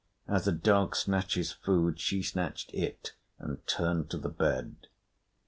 As a dog snatches food she snatched it, and turned to the bed.